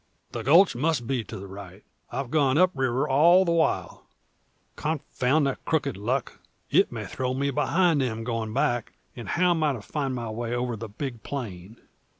"The gulch must be to the right. I've gone up river all the while. Confound the crooked luck! It may throw me behind them going back; and how am I to find my way over the big plain!